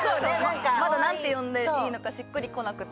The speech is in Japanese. まだ何て呼んでいいのかしっくりこなくて。